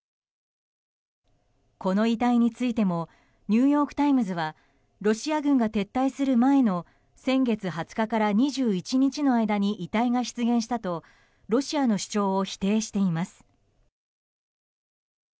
この遺体についてもニューヨーク・タイムズはロシア軍が撤退する前の先月２０日から２１日の間に遺体が出現したとロシアの主張を否定しています。